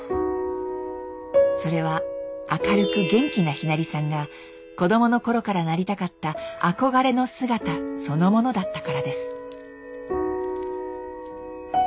それは明るく元気なひなりさんが子供の頃からなりたかった「憧れの姿」そのものだったからです。